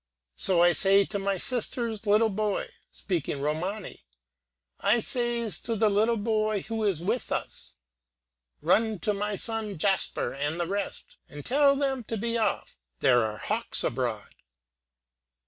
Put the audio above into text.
So I says to my sister's little boy, speaking Romany, I says to the little boy who is with us, 'Run to my son Jasper and the rest, and tell them to be off: there are hawks abroad.'